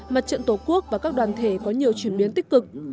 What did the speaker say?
mặt trận tổ quốc và các đoàn thể có nhiều chuyển biến tích cực